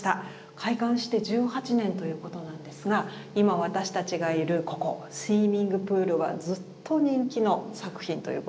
開館して１８年ということなんですが今私たちがいるここ「スイミング・プール」はずっと人気の作品ということなんですね。